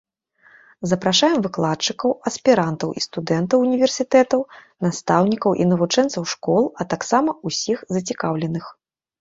Запрашаем выкладчыкаў, аспірантаў і студэнтаў універсітэтаў, настаўнікаў і навучэнцаў школ, а таксама ўсіх зацікаўленых.